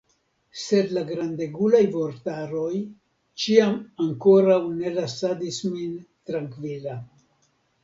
Sed la grandegulaj vortaroj ĉiam ankoraŭ ne lasadis min trankvila.